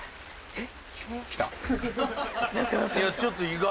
えっ⁉